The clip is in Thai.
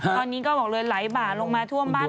ตอนนี้ก็บอกเลยไหลบ่าลงมาท่วมบ้าน